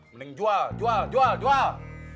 mending jual jual jual jual